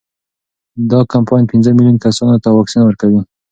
دا کمپاین پنځه میلیون کسانو ته واکسین ورکوي.